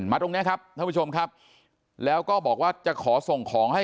ตรงนี้ครับท่านผู้ชมครับแล้วก็บอกว่าจะขอส่งของให้